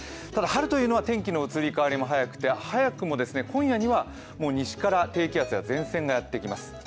ただ、春というのは天気の移り変わりも早くて早くも今夜にはもう西から前線がやってきます。